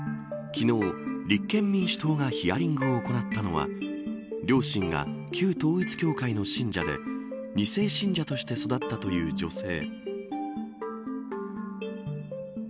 昨日、立憲民主党がヒアリングを行ったのは両親が旧統一教会の信者で２世信者として育ったという女性。